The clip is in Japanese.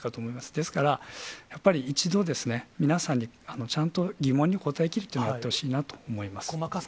ですから、やっぱり一度ですね、皆さんで、ちゃんと疑問に答えきるというのをやってほしいなと思います。